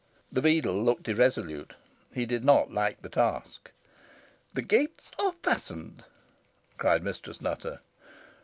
The beadle looked irresolute. He did not like the task. "The gates are fastened," cried Mistress Nutter.